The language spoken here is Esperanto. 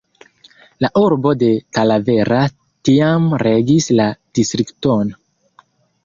La urbo de Talavera tiam regis la distrikton.